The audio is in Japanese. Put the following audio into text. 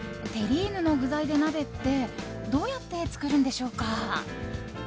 テリーヌの具材で鍋ってどうやって作るんでしょうか。